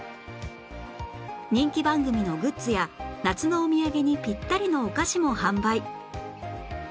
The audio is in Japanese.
人気番組のグッズや夏のお土産にピッタリのお菓子も販売